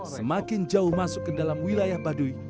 semakin jauh masuk ke dalam wilayah baduy